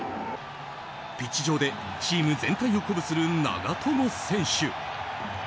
ピッチ上でチーム全体を鼓舞する長友選手。